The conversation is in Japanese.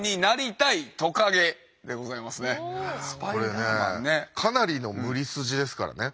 これねかなりの無理筋ですからね。